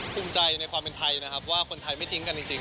ภูมิใจในความเป็นไทยนะครับว่าคนไทยไม่ทิ้งกันจริง